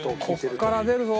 ここから出るぞ。